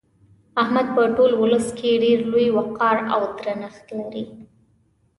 احمد په ټول ولس کې ډېر لوی وقار او درنښت لري.